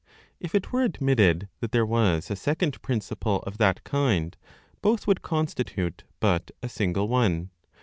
If it were admitted that there was a second principle of that kind, both would constitute but a single one.